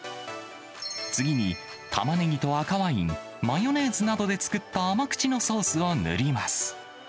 次に、玉ねぎと赤ワイン、マヨネーズなどで作った甘口のソースを塗ります。